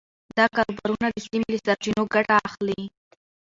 دا کاروبارونه د سیمې له سرچینو ګټه اخلي.